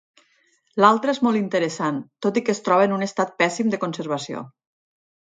L'altra és molt interessant, tot i que es troba en un estat pèssim de conservació.